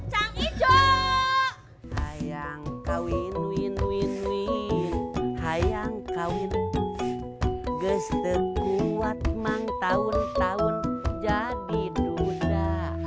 hai ayang kawin win win win win hai yang kawin gester kuat mang tahun tahun jadi duda